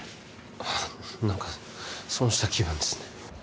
あっ何か損した気分ですね